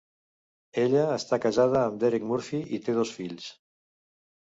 Ella està casada amb Derek Murphy i té dos fills.